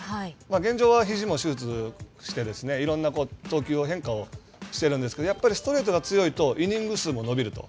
現状はひじも手術して、いろんな投球の変化をしているんですけれどもやっぱりストレートが強いとイニング数も延びると。